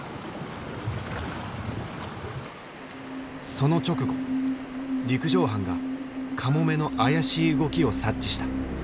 その直後陸上班がカモメの怪しい動きを察知した。